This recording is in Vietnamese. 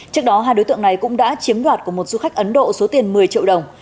trước đó hai đối tượng này cũng đã chiếm đoạt của một du khách ấn độ số tiền một mươi triệu đồng